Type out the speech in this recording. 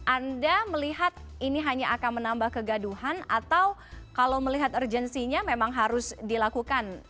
anda melihat ini hanya akan menambah kegaduhan atau kalau melihat urgensinya memang harus dilakukan